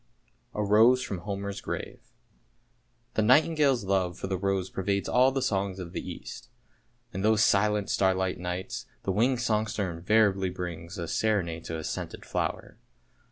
A ROSE FROM HOMER'S GRAVE THE nightingale's love for the rose pervades all the songs of the East; in those silent starlight nights the winged songster invariably brings a serenade to his scented flower.